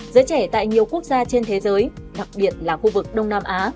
giới trẻ tại nhiều quốc gia trên thế giới đặc biệt là khu vực đông nam á